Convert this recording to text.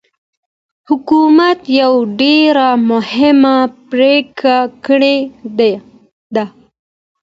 حکومت يوه ډېره مهمه پرېکړه کړې ده.